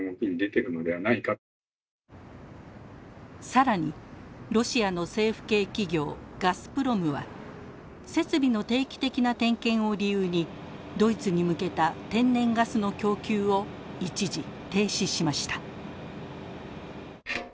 更にロシアの政府系企業ガスプロムは設備の定期的な点検を理由にドイツに向けた天然ガスの供給を一時停止しました。